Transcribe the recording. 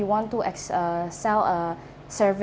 kalau untuk atelier kita berpengguna dengan perhiasan yang siap pakai